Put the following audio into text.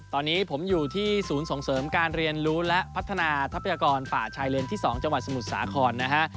ตอนนี้ผมอยู่ที่ศูนย์ส่งเสริมการเรียนรู้และพัฒนาทรัพยากรป่าชายเลนที่๒จังหวัดสมุทรสาครนะฮะ